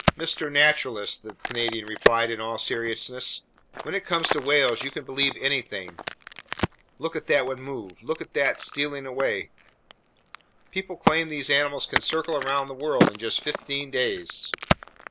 "Mr. Naturalist," the Canadian replied in all seriousness, "when it comes to whales, you can believe anything! (Look at that one move! Look at it stealing away!) People claim these animals can circle around the world in just fifteen days."